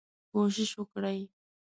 کوشش وکړئ